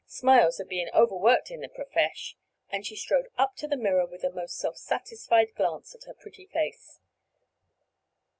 Smiles are being overworked in the profresh!" and she strode up to the mirror with a most self satisfied glance at her pretty face.